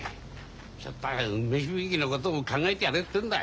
ちょっとは梅響のことも考えてやれってんだ。